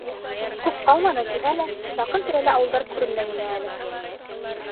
Күп ҡалманы, тиһә лә, яҡын-тирәлә ауылдар күренмәй ине әле.